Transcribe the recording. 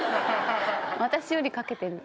私よりかけてる。